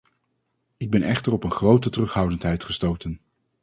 Ik ben echter op een grote terughoudendheid gestoten.